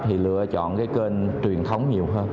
thì lựa chọn cái kênh truyền thống nhiều hơn